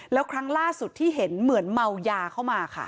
แล้วครั้งล่าสุดที่เห็นเหมือนเมายาเข้ามาค่ะ